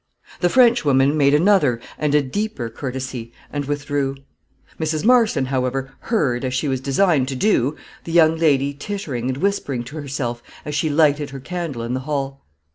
The Frenchwoman made another and a deeper courtesy, and withdrew. Mrs. Marston, however, heard, as she was designed to do, the young lady tittering and whispering to herself, as she lighted her candle in the hall.